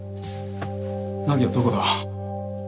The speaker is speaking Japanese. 凪はどこだ？